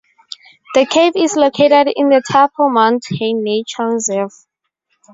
The cave is located in the Tapir Mountain Nature Reserve.